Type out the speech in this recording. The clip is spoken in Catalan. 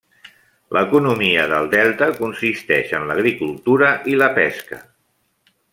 L'economia del delta consisteix en l'agricultura i la pesca.